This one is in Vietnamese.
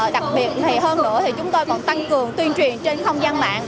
đặc biệt thì hơn nữa thì chúng tôi còn tăng cường tuyên truyền trên không gian mạng